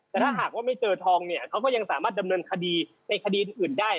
แต่ถ้าหากว่าไม่เจอทองเนี่ยเขาก็ยังสามารถดำเนินคดีในคดีอื่นได้